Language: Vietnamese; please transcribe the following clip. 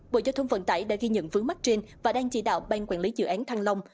bộ giao thông vận tải đã ghi nhận vướng mắt trên và đang chỉ đạo ban quản lý dự án thăng long